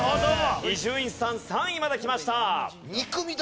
伊集院さん３位まできました。